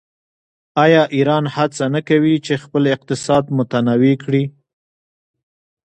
آیا ایران هڅه نه کوي چې خپل اقتصاد متنوع کړي؟